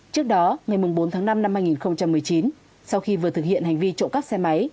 trước đó ngày bốn tháng năm năm hai nghìn một mươi chín sau khi vừa thực hiện hành vi trộm cắp xe máy